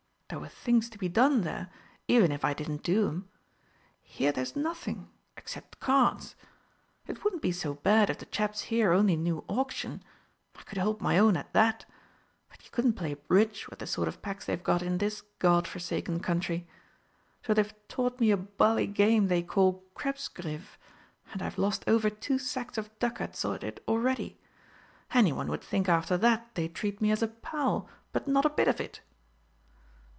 There were things to be done there, even if I didn't do 'em. Here there's nothing except cards. It wouldn't be so bad if the chaps here only knew Auction I could hold my own at that. But you couldn't play bridge with the sort of packs they've got in this God forsaken country. So they've taught me a bally game they call 'Krebsgriff,' and I've lost over two sacks of ducats at it already. Anyone would think after that they'd treat me as a pal, but not a bit of it!"